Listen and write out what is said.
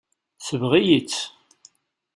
Tesbeɣ-iyi-tt.